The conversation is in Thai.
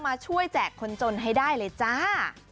มาช่วยแจกคนจนให้ได้เลยจ้า